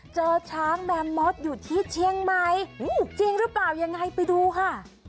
เจอช้างแมมมอสอยู่ที่เชียงใหม่จริงหรือเปล่ายังไงไปดูค่ะ